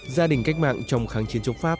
gia đình cách mạng trong kháng chiến chống pháp